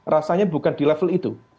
rasanya bukan di level itu